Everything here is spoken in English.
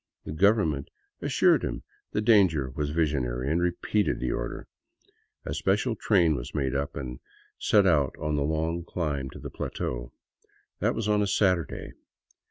The Government assured him the danger was visionary, and repeated the order. A special train was made up, and set out on the long climb to the plateau. That was on a Saturday.